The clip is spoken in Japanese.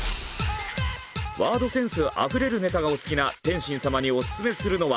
ワードセンスあふれるネタがお好きな天心様にオススメするのは。